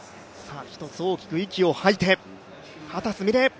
１つ大きく息を吐いて、秦澄美鈴。